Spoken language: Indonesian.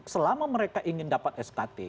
selama mereka ingin dapat skt